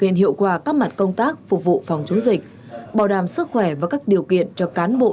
niên hiệu quả các mặt công tác phục vụ phòng chống dịch bảo đảm sức khỏe và các điều kiện cho cán bộ